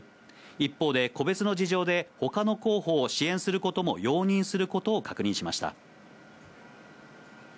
一方で、個別の事情でほかの候補を支援することも容認することを確認しました。